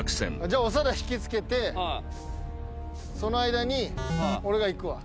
じゃあ長田引きつけてその間に俺が行くわ。